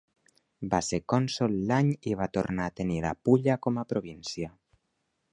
Va ser cònsol l'any i va tornar a tenir la Pulla com a província.